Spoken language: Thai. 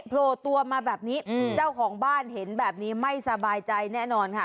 โผล่ตัวมาแบบนี้เจ้าของบ้านเห็นแบบนี้ไม่สบายใจแน่นอนค่ะ